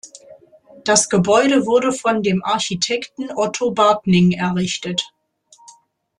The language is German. Das Gebäude wurde von dem Architekten Otto Bartning errichtet.